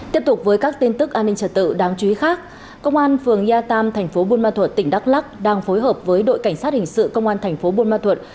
tiếp tục với các tin tức an ninh trật tự đáng chú ý khác công an phường ya tam thành phố buôn ma thuật tỉnh đắk lắc đang phối hợp với đội cảnh sát hình sự công an thành phố buôn ma thuật